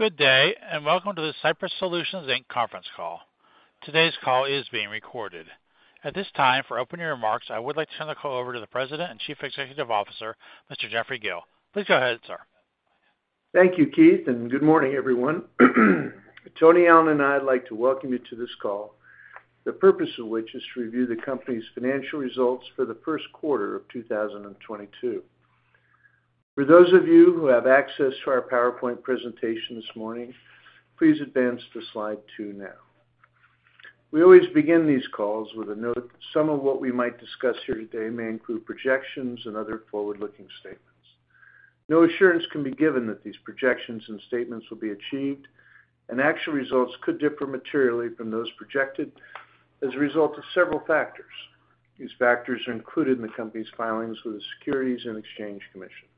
Good morning, everyone. Tony Allen and I would like to welcome you to this call, the purpose of this call is to review the company's financial results for the first quarter of 2022. For those of you who have access to our PowerPoint presentation this morning, please advance to slide 2 now. We always begin these calls with a note that some of what we might discuss here today may include projections and other forward-looking statements. No assurance can be given that these projections and statements will be achieved, and actual results could differ materially from those projected as a result of several factors. These factors are included in the company's filings with the Securities and Exchange Commission.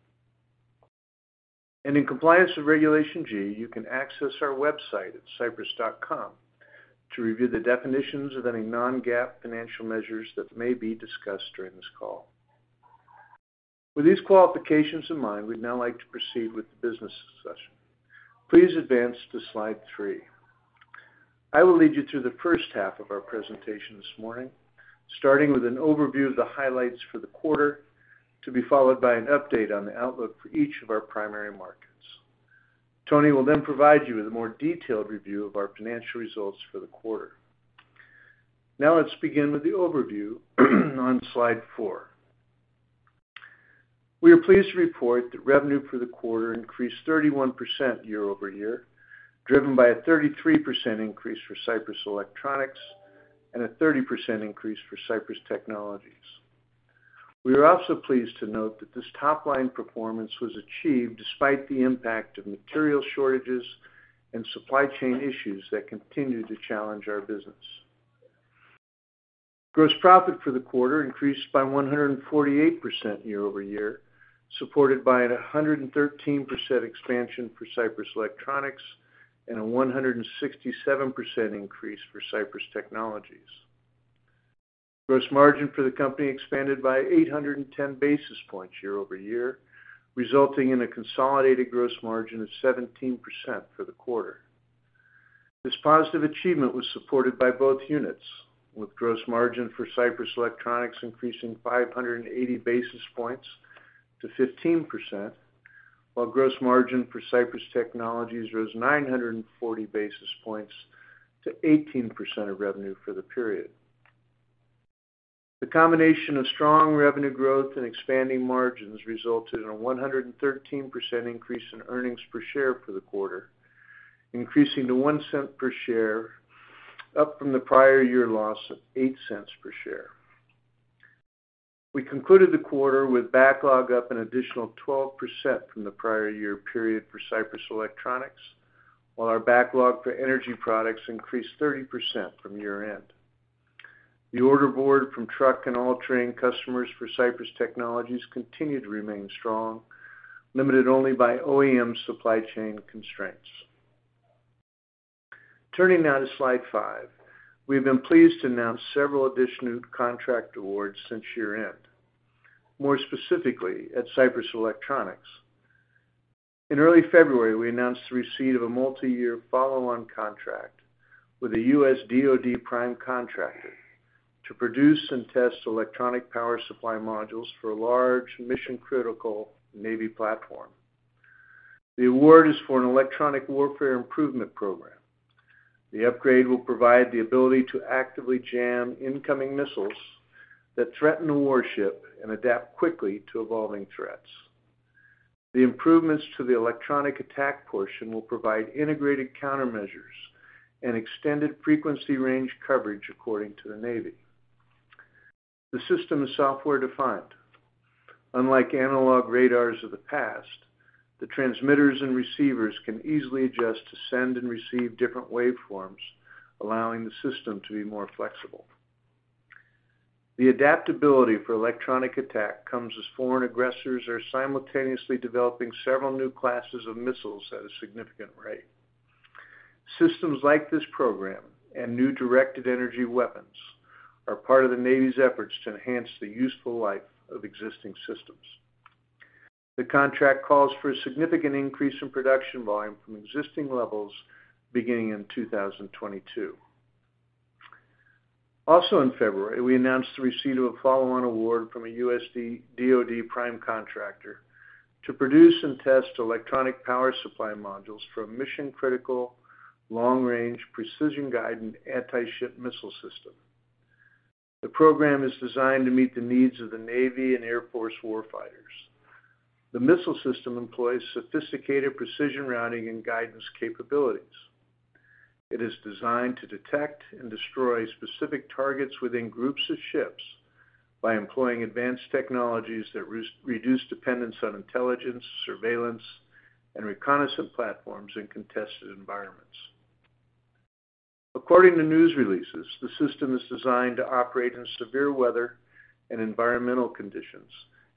In compliance with Regulation G, you can access our website at Sypris.com to review the definitions of any non-GAAP financial measures that may be discussed during this call. With these qualifications in mind, we'd now like to proceed with the business discussion. Please advance to slide 3. I will lead you through the first half of our presentation this morning, starting with an overview of the highlights for the quarter, to be followed by an update on the outlook for each of our primary markets. Tony will then provide you with a more detailed review of our financial results for the quarter. Now let's begin with the overview on slide 4. We are pleased to report that revenue for the quarter increased 31% year-over-year, driven by a 33% increase for Sypris Electronics and a 30% increase for Sypris Technologies. We are also pleased to note that this top line performance was achieved despite the impact of material shortages and supply chain issues that continue to challenge our business. Gross profit for the quarter increased by 148% year-over-year, supported by a 113% expansion for Sypris Electronics and a 167% increase for Sypris Technologies. Gross margin for the company expanded by 810 basis points year-over-year, resulting in a consolidated gross margin of 17% for the quarter. This positive achievement was supported by both units, with gross margin for Sypris Electronics increasing 580 basis points to 15%, while gross margin for Sypris Technologies rose 940 basis points to 18% of revenue for the period. The combination of strong revenue growth and expanding margins resulted in a 113% increase in earnings per share for the quarter, increasing to $0.01 per share, up from the prior year loss of $0.08 per share. We concluded the quarter with backlog up an additional 12% from the prior year period for Sypris Electronics, while our backlog for energy products increased 30% from year-end. The order book from truck and all-terrain customers for Sypris Technologies continued to remain strong, limited only by OEM supply chain constraints. Turning now to slide 5. We've been pleased to announce several additional contract awards since year-end. More specifically, at Sypris Electronics. In early February, we announced the receipt of a multi-year follow-on contract with a US DOD prime contractor to produce and test electronic power supply modules for a large mission-critical Navy platform. The award is for an electronic warfare improvement program. The upgrade will provide the ability to actively jam incoming missiles that threaten a warship and adapt quickly to evolving threats. The improvements to the electronic attack portion will provide integrated countermeasures and extended frequency range coverage according to the Navy. The system is software-defined. Unlike analog radars of the past, the transmitters and receivers can easily adjust to send and receive different waveforms, allowing the system to be more flexible. The adaptability for electronic attack comes as foreign aggressors are simultaneously developing several new classes of missiles at a significant rate. Systems like this program and new directed energy weapons are part of the Navy's efforts to enhance the useful life of existing systems. The contract calls for a significant increase in production volume from existing levels beginning in 2022. Also in February, we announced the receipt of a follow-on award from a US DOD prime contractor to produce and test electronic power supply modules for a mission-critical, long-range, precision-guided anti-ship missile system. The program is designed to meet the needs of the Navy and Air Force warfighters. The missile system employs sophisticated precision targeting and guidance capabilities. It is designed to detect and destroy specific targets within groups of ships by employing advanced technologies that reduce dependence on intelligence, surveillance, and reconnaissance platforms in contested environments. According to news releases, the system is designed to operate in severe weather and environmental conditions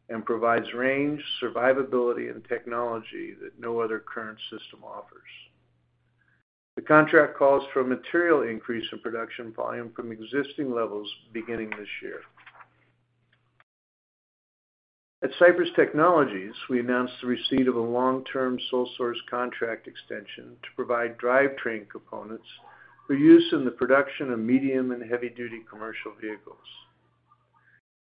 and provides range, survivability, and technology that no other current system offers. The contract calls for a material increase in production volume from existing levels beginning this year. At Sypris Technologies, we announced the receipt of a long-term sole source contract extension to provide drivetrain components for use in the production of medium and heavy-duty commercial vehicles.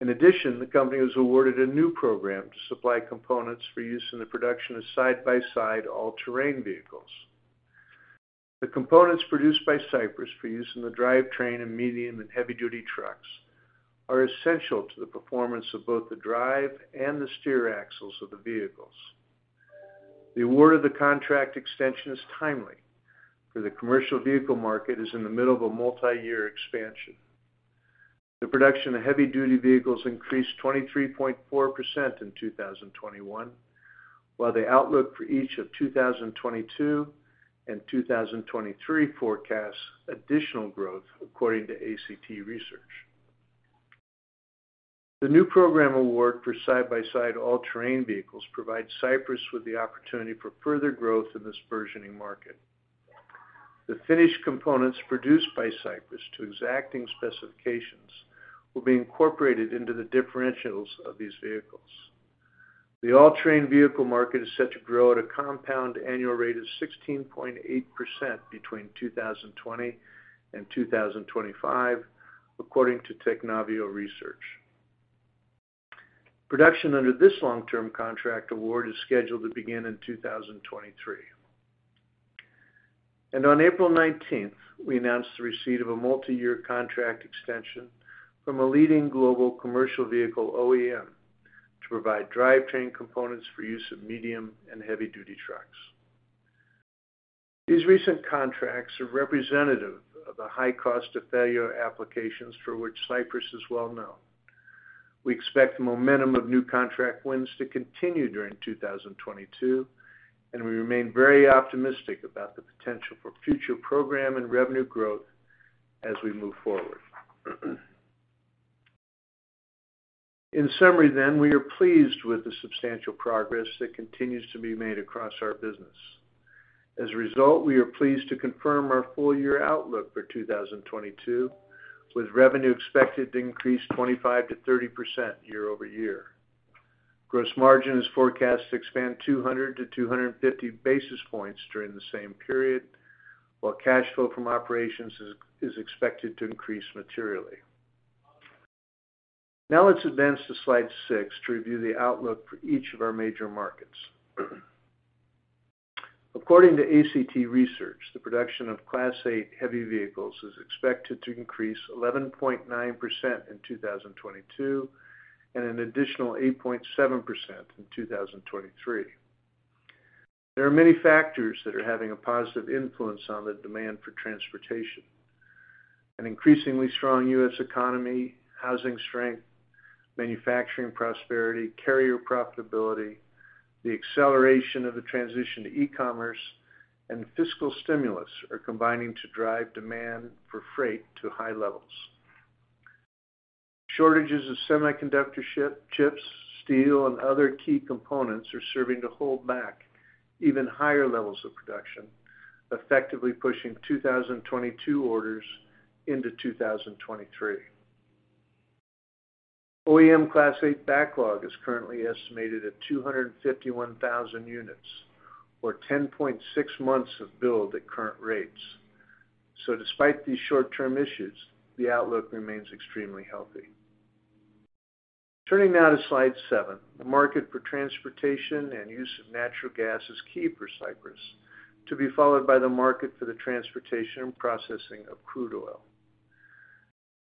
In addition, the company was awarded a new program to supply components for use in the production of side-by-side all-terrain vehicles. The components produced by Sypris for use in the drivetrain in medium and heavy-duty trucks are essential to the performance of both the drive and the steer axles of the vehicles. The award of the contract extension is timely, for the commercial vehicle market is in the middle of a multiyear expansion. The production of heavy-duty vehicles increased 23.4% in 2021, while the outlook for each of 2022 and 2023 forecasts additional growth according to ACT Research. The new program award for side-by-side all-terrain vehicles provides Sypris with the opportunity for further growth in this burgeoning market. The finished components produced by Sypris to exacting specifications will be incorporated into the differentials of these vehicles. The all-terrain vehicle market is set to grow at a compound annual rate of 16.8% between 2020 and 2025, according to Technavio. Production under this long-term contract award is scheduled to begin in 2023. On April 19, we announced the receipt of a multi-year contract extension from a leading global commercial vehicle OEM to provide drivetrain components for use in medium and heavy-duty trucks. These recent contracts are representative of the high cost of failure applications for which Sypris is well known. We expect the momentum of new contract wins to continue during 2022, and we remain very optimistic about the potential for future program and revenue growth as we move forward. In summary, we are pleased with the substantial progress that continues to be made across our business. As a result, we are pleased to confirm our full-year outlook for 2022, with revenue expected to increase 25% to 30% year-over-year. Gross margin is forecast to expand 200 to 250 basis points during the same period, while cash flow from operations is expected to increase materially. Now let's advance to slide six to review the outlook for each of our major markets. According to ACT Research, the production of Class 8 heavy vehicles is expected to increase 11.9% in 2022, and an additional 8.7% in 2023. There are many factors that are having a positive influence on the demand for transportation. An increasingly strong U.S. economy, housing strength, manufacturing prosperity, carrier profitability, the acceleration of the transition to e-commerce, and fiscal stimulus are combining to drive demand for freight to high levels. Shortages of semiconductor chips, steel, and other key components are serving to hold back even higher levels of production, effectively pushing 2022 orders into 2023. OEM Class 8 backlog is currently estimated at 251,000 units or 10.6 months of build at current rates. Despite these short-term issues, the outlook remains extremely healthy. Turning now to slide 7, the market for transportation and use of natural gas is key for Sypris to be followed by the market for the transportation and processing of crude oil.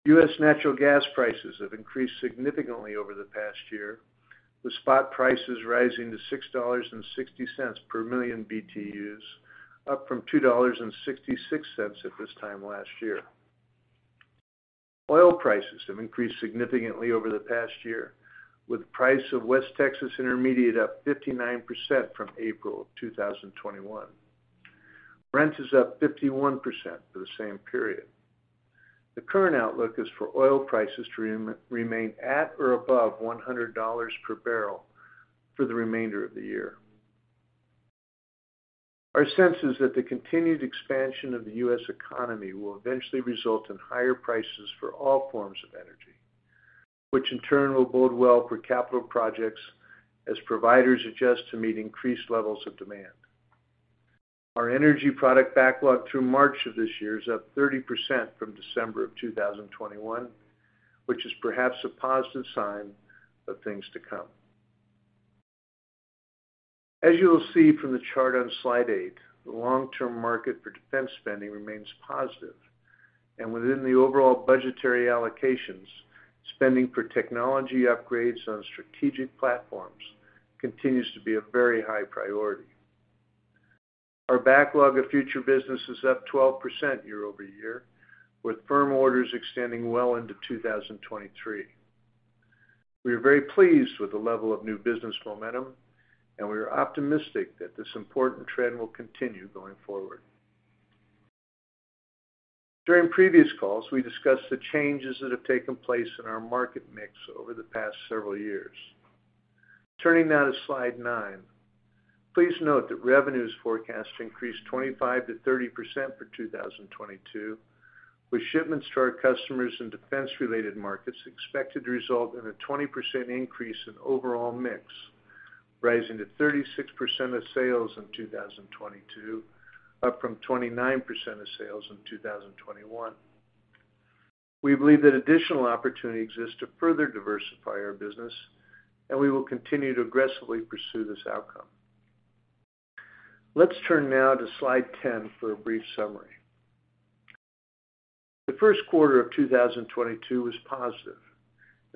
U.S. natural gas prices have increased significantly over the past year, with spot prices rising to $6.60 per million BTUs, up from $2.66 at this time last year. Oil prices have increased significantly over the past year, with the price of West Texas Intermediate up 59% from April 2021. Brent is up 51% for the same period. The current outlook is for oil prices to remain at or above $100 per barrel for the remainder of the year. Our sense is that the continued expansion of the U.S. economy will eventually result in higher prices for all forms of energy, which in turn will bode well for capital projects as providers adjust to meet increased levels of demand. Our energy product backlog through March of this year is up 30% from December 2021, which is perhaps a positive sign of things to come. As you will see from the chart on slide 8, the long-term market for defense spending remains positive, and within the overall budgetary allocations, spending for technology upgrades on strategic platforms continues to be a very high priority. Our backlog of future business is up 12% year-over-year, with firm orders extending well into 2023. We are very pleased with the level of new business momentum, and we are optimistic that this important trend will continue going forward. During previous calls, we discussed the changes that have taken place in our market mix over the past several years. Turning now to slide nine. Please note that revenue is forecast to increase 25% to 30% for 2022, with shipments to our customers in defense-related markets expected to result in a 20% increase in overall mix, rising to 36% of sales in 2022, up from 29% of sales in 2021. We believe that additional opportunity exists to further diversify our business, and we will continue to aggressively pursue this outcome. Let's turn now to slide ten for a brief summary. The first quarter of 2022 was positive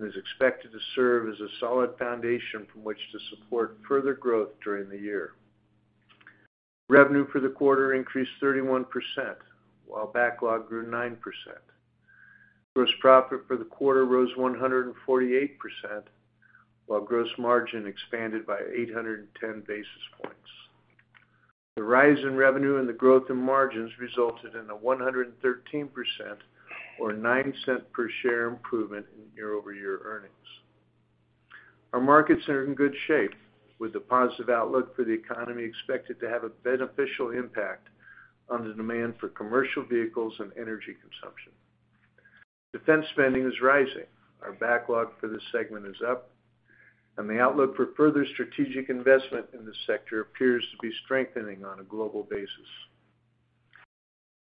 and is expected to serve as a solid foundation from which to support further growth during the year. Revenue for the quarter increased 31%, while backlog grew 9%. Gross profit for the quarter rose 148%, while gross margin expanded by 810 basis points. The rise in revenue and the growth in margins resulted in a 113% or $0.09 per share improvement in year-over-year earnings. Our markets are in good shape, with a positive outlook for the economy expected to have a beneficial impact on the demand for commercial vehicles and energy consumption. Defense spending is rising. Our backlog for this segment is up, and the outlook for further strategic investment in this sector appears to be strengthening on a global basis.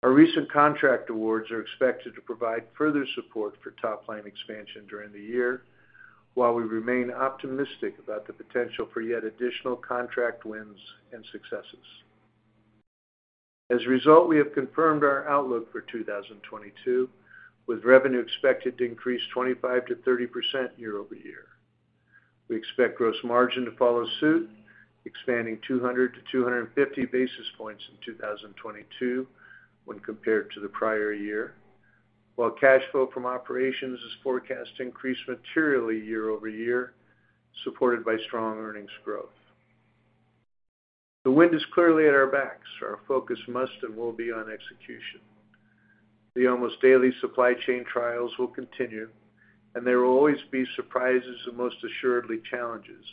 Our recent contract awards are expected to provide further support for top line expansion during the year, while we remain optimistic about the potential for yet additional contract wins and successes. As a result, we have confirmed our outlook for 2022, with revenue expected to increase 25% to 30% year-over-year. We expect gross margin to follow suit, expanding 200 to 250 basis points in 2022 when compared to the prior year, while cash flow from operations is forecast to increase materially year-over-year, supported by strong earnings growth. The wind is clearly at our backs. Our focus must and will be on execution. The almost daily supply chain trials will continue, and there will always be surprises and most assuredly challenges,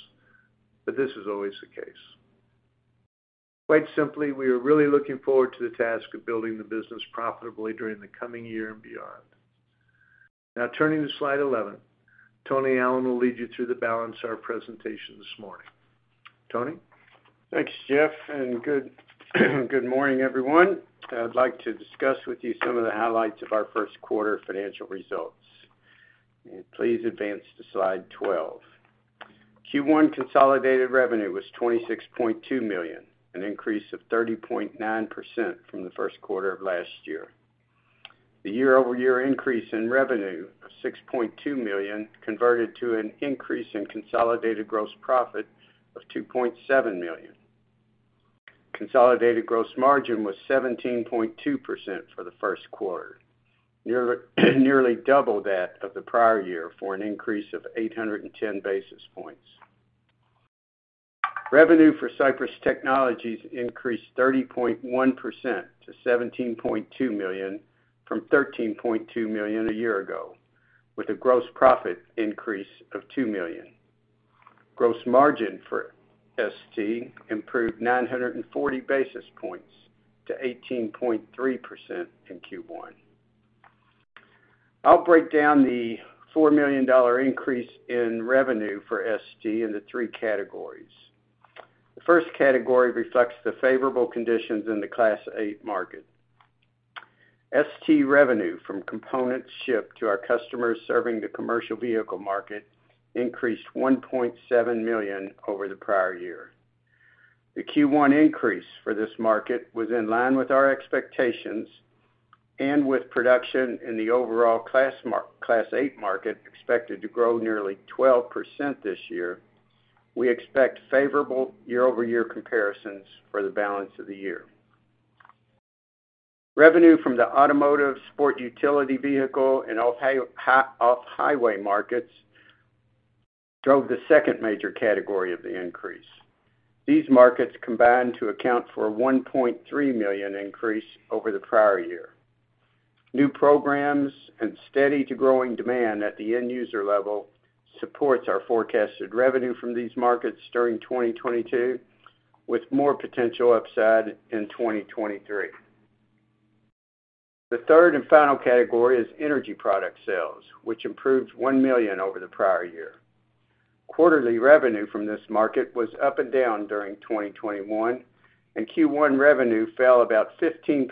but this is always the case. Quite simply, we are really looking forward to the task of building the business profitably during the coming year and beyond. Now turning to slide 11, Anthony C. Allen will lead you through the balance of our presentation this morning. Anthony C. Allen? Thanks, Jeff, and good morning, everyone. I'd like to discuss with you some of the highlights of our first quarter financial results. Please advance to slide 12. Q1 consolidated revenue was $26.2 million, an increase of 30.9% from the first quarter of last year. The year-over-year increase in revenue of $6.2 million converted to an increase in consolidated gross profit of $2.7 million. Consolidated gross margin was 17.2% for the first quarter, nearly double that of the prior year for an increase of 810 basis points. Revenue for Sypris Technologies increased 30.1% to $17.2 million from $13.2 million a year ago, with a gross profit increase of $2 million. Gross margin for ST improved 940 basis points to 18.3% in Q1. I'll break down the $4 million increase in revenue for ST into three categories. The first category reflects the favorable conditions in the Class 8 market. ST revenue from components shipped to our customers serving the commercial vehicle market increased $1.7 million over the prior year. The Q1 increase for this market was in line with our expectations and with production in the overall Class 8 market expected to grow nearly 12% this year. We expect favorable year-over-year comparisons for the balance of the year. Revenue from the automotive, sport utility vehicle, and off-highway markets drove the second major category of the increase. These markets combined to account for a $1.3 million increase over the prior year. New programs and steady to growing demand at the end user level supports our forecasted revenue from these markets during 2022, with more potential upside in 2023. The third and final category is energy products sales, which improved $1 million over the prior year. Quarterly revenue from this market was and Q1 revenue fell about 15%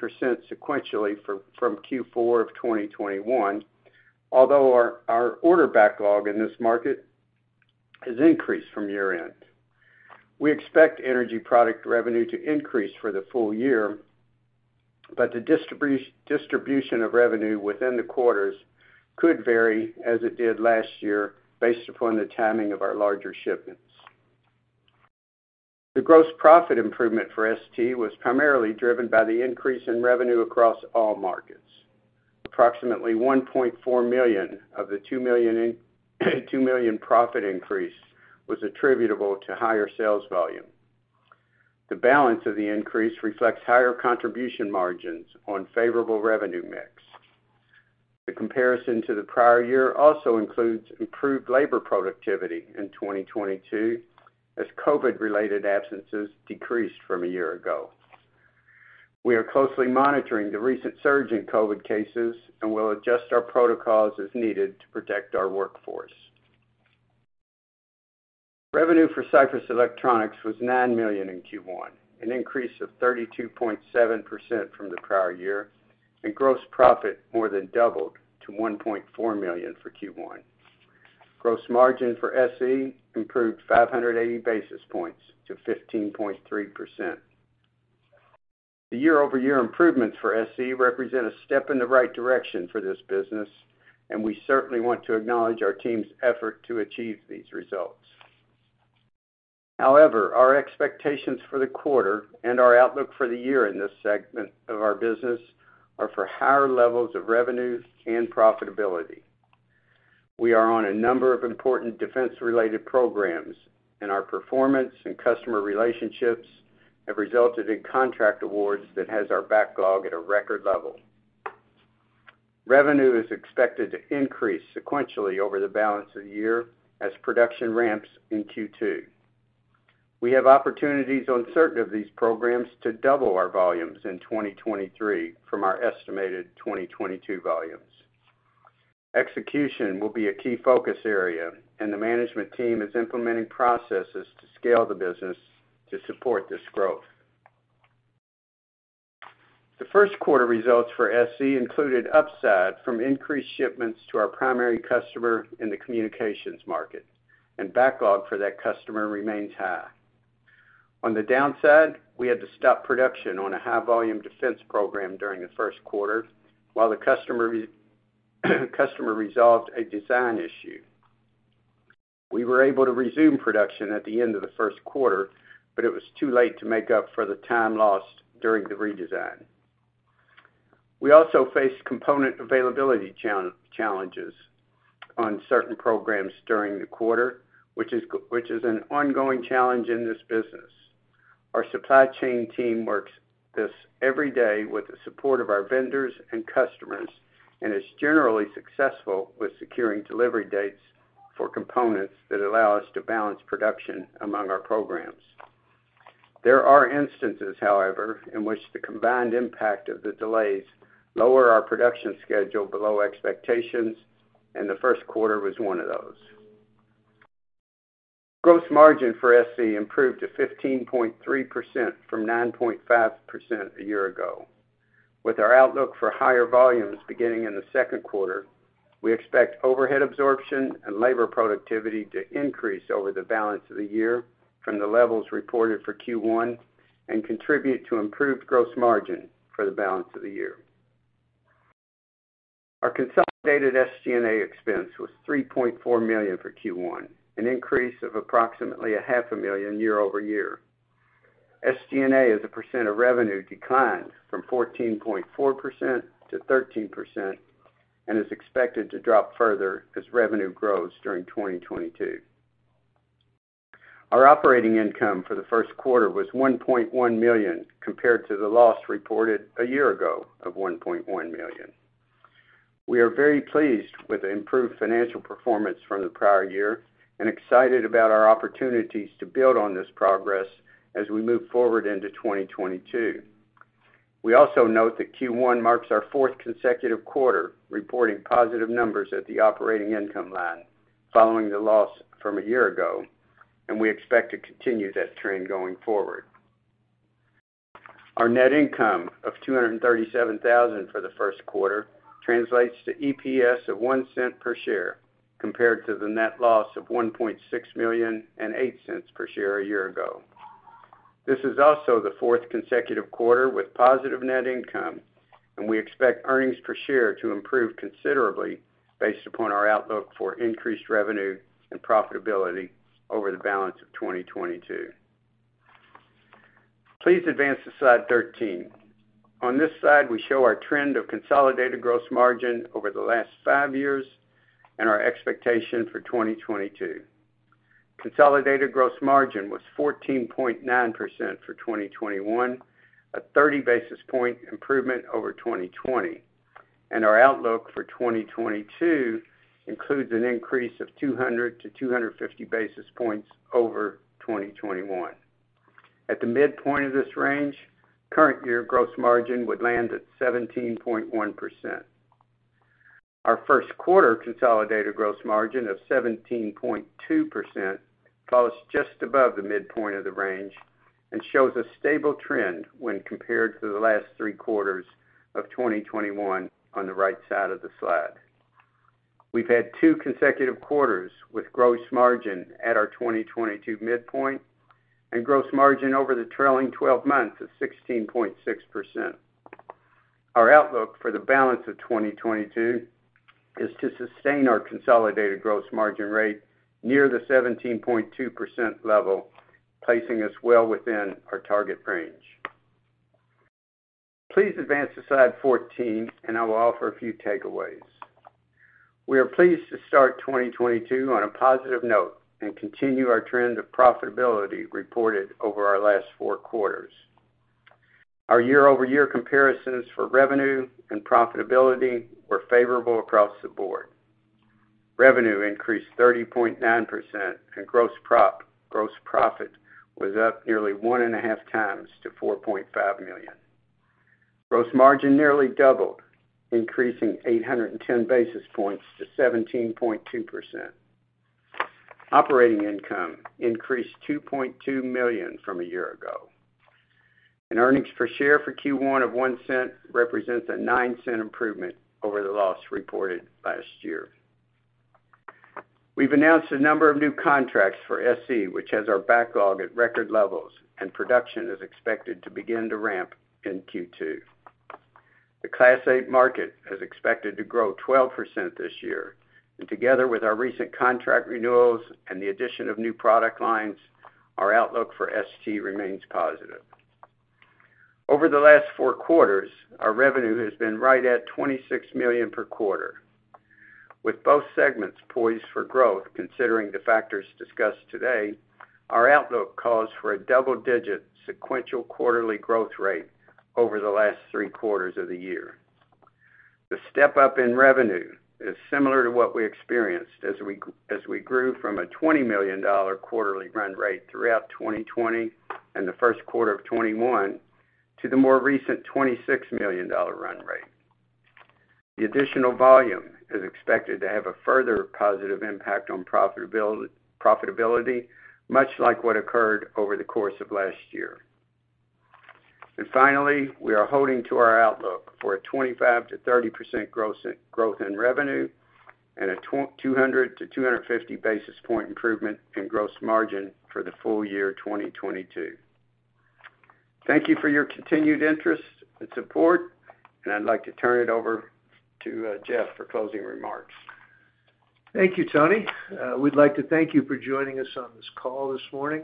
sequentially from Q4 of 2021. Although our order backlog in this market has increased from year-end. We expect energy products revenue to increase for the full year, but the distribution of revenue within the quarters could vary as it did last year based upon the timing of our larger shipments. The gross profit improvement for ST was primarily driven by the increase in revenue across all markets. Approximately $1.4 million of the $2 million profit increase was attributable to higher sales volume. The balance of the increase reflects higher contribution margins on favorable revenue mix. The comparison to the prior year also includes improved labor productivity in 2022 as COVID-related absences decreased from a year ago. We are closely monitoring the recent surge in COVID cases and will adjust our protocols as needed to protect our workforce. Revenue for Sypris Electronics was $9 million in Q1, an increase of 32.7% from the prior year, and gross profit more than doubled to $1.4 million for Q1. Gross margin for SE improved 580 basis points to 15.3%. The year-over-year improvements for SE represent a step in the right direction for this business, and we certainly want to acknowledge our team's effort to achieve these results. However, our expectations for the quarter and our outlook for the year in this segment of our business are for higher levels of revenue and profitability. We are on a number of important defense-related programs, and our performance and customer relationships have resulted in contract awards that have our backlog at a record level. Revenue is expected to increase sequentially over the balance of the year as production ramps in Q2. We have opportunities on certain of these programs to double our volumes in 2023 from our estimated 2022 volumes. Execution will be a key focus area, and the management team is implementing processes to scale the business to support this growth. The first quarter results for SE included upside from increased shipments to our primary customer in the communications market, and backlog for that customer remains high. On the downside, we had to stop production on a high-volume defense program during the first quarter while the customer resolved a design issue. We were able to resume production at the end of the first quarter, but it was too late to make up for the time lost during the redesign. We also faced component availability challenges on certain programs during the quarter, which is an ongoing challenge in this business. Our supply chain team works on this every day with the support of our vendors and customers and is generally successful with securing delivery dates for components that allow us to balance production among our programs. There are instances, however, in which the combined impact of the delays lower our production schedule below expectations, and the first quarter was one of those. Gross margin for SE improved to 15.3% from 9.5% a year ago. With our outlook for higher volumes beginning in the second quarter, we expect overhead absorption and labor productivity to increase over the balance of the year from the levels reported for Q1 and contribute to improved gross margin for the balance of the year. Our consolidated SG&A expense was $3.4 million for Q1, an increase of approximately $0.5 million year-over-year. SG&A as a percent of revenue declined from 14.4% to 13% and is expected to drop further as revenue grows during 2022. Our operating income for the first quarter was $1.1 million, compared to the loss reported a year ago of $1.1 million. We are very pleased with the improved financial performance from the prior year and excited about our opportunities to build on this progress as we move forward into 2022. We also note that Q1 marks our fourth consecutive quarter reporting positive numbers at the operating income line following the loss from a year ago, and we expect to continue that trend going forward. Our net income of $237,000 for the first quarter translates to EPS of $0.01 per share compared to the net loss of $1.6 million and $0.08 per share a year ago. This is also the fourth consecutive quarter with positive net income, and we expect earnings per share to improve considerably based upon our outlook for increased revenue and profitability over the balance of 2022. Please advance to slide 13. On this slide, we show our trend of consolidated gross margin over the last five years and our expectation for 2022. Consolidated gross margin was 14.9% for 2021, a 30 basis point improvement over 2020, and our outlook for 2022 includes an increase of 200 to 250 basis points over 2021. At the midpoint of this range, current year gross margin would land at 17.1%. Our first quarter consolidated gross margin of 17.2% falls just above the midpoint of the range and shows a stable trend when compared to the last three quarters of 2021 on the right side of the slide. We've had two consecutive quarters with gross margin at our 2022 midpoint and gross margin over the trailing twelve months of 16.6%. Our outlook for the balance of 2022 is to sustain our consolidated gross margin rate near the 17.2% level, placing us well within our target range. Please advance to slide 14 and I will offer a few takeaways. We are pleased to start 2022 on a positive note and continue our trend of profitability reported over our last 4 quarters. Our year-over-year comparisons for revenue and profitability were favorable across the board. Revenue increased 30.9%, and gross profit was up nearly 1.5 times to $4.5 million. Gross margin nearly doubled, increasing 810 basis points to 17.2%. Operating income increased $2.2 million from a year ago. Earnings per share for Q1 of $0.01 represents a $0.09 improvement over the loss reported last year. We've announced a number of new contracts for SE, which has our backlog at record levels, and production is expected to begin to ramp in Q2. The Class 8 market is expected to grow 12% this year, and together with our recent contract renewals and the addition of new product lines, our outlook for SE remains positive. Over the last four quarters, our revenue has been right at $26 million per quarter. With both segments poised for growth, considering the factors discussed today, our outlook calls for a double-digit sequential quarterly growth rate over the last three quarters of the year. The step-up in revenue is similar to what we experienced as we grew from a $20 million quarterly run rate throughout 2020 and the first quarter of 2021 to the more recent $26 million run rate. The additional volume is expected to have a further positive impact on profitability, much like what occurred over the course of last year. Finally, we are holding to our outlook for a 25% to30% gross revenue growth and a 200-250 basis point improvement in gross margin for the full year 2022. Thank you for your continued interest and support, and I'd like to turn it over to, Jeff for closing remarks. Thank you, Tony. We'd like to thank you for joining us on this call this morning.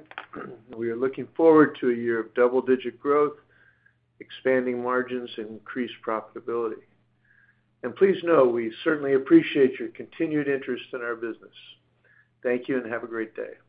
We are looking forward to a year of double-digit growth, expanding margins, and increased profitability. Please know we certainly appreciate your continued interest in our business. Thank you, and have a great day.